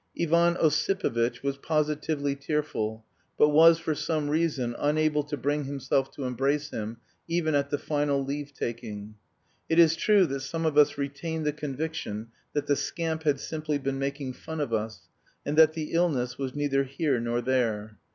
Ivan Ossipovitch was positively tearful, but was, for some reason, unable to bring himself to embrace him, even at the final leave taking. It is true that some of us retained the conviction that the scamp had simply been making fun of us, and that the illness was neither here nor there.